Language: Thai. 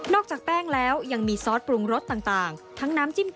นอกจากแป้งแล้วยังมีซอสปรุงรสต่าง